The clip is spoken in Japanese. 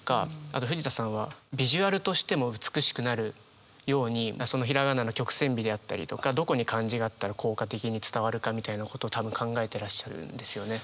あと藤田さんはビジュアルとしても美しくなるように平仮名の曲線美であったりとかどこに漢字があったら効果的に伝わるかみたいなことを多分考えてらっしゃるんですよね。